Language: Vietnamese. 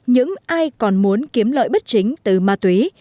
những ai còn muốn kiếm lợi bất chính từ ma túy